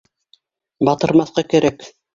Батырмаҫҡа кәрәк.